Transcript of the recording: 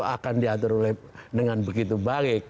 akan diatur dengan begitu baik